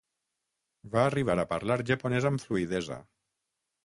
Va arribar a parlar japonès amb fluïdesa.